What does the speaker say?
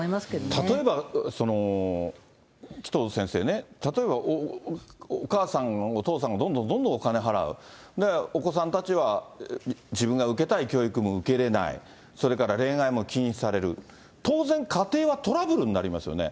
例えば紀藤先生ね、例えばお母さん、お父さんがどんどんどんどんお金払う、お子さんたちは自分が受けたい教育も受けれない、それから恋愛も禁止される、当然、家庭はトラブルになりますよね。